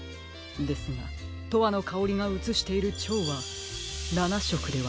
ですが「とわのかおり」がうつしているチョウは７しょくではなく５しょくです。